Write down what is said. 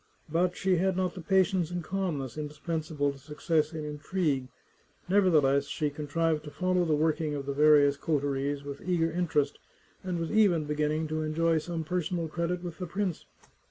But she had not the patience and calmness indispensable to success in intrigue; nevertheless, she contrived to follow the work ing of the various coteries with eager interest, and was even beginning to enjoy some personal credit with the prince.